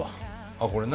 あっこれな。